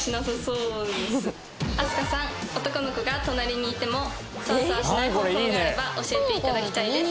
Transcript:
飛鳥さん男の子が隣にいてもソワソワしない方法があれば教えていただきたいです。